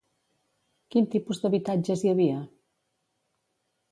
Quin tipus d'habitatges hi havia?